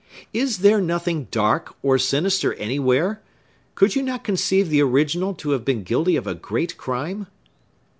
"Is there nothing dark or sinister anywhere? Could you not conceive the original to have been guilty of a great crime?"